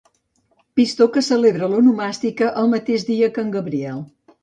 Pistó que celebra l'onomàstica el mateix dia que en Gabriel.